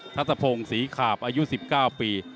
ทัศพงศรีขาบอายุ๑๙ปี